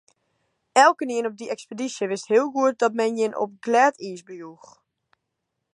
Elkenien op dy ekspedysje wist hiel goed dat men jin op glêd iis bejoech.